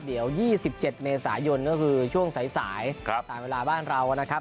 เดี๋ยว๒๗เมษายนก็คือช่วงสายตามเวลาบ้านเรานะครับ